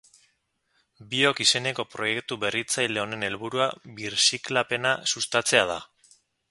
Biok izeneko proiektu berritzaile honen helburua birziklapena sustatzea da.